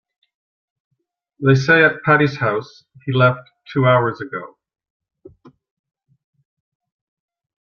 They say at Patti's house he left two hours ago.